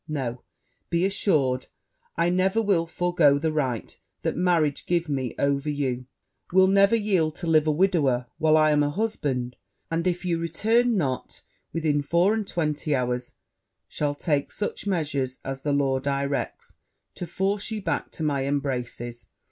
No! be assured, I never will forego the right that marriage gives me over you will never yield to live a widower while I am a husband; and, if you return not within four and twenty hours, shall take such measures as the law directs, to force you back to my embraces.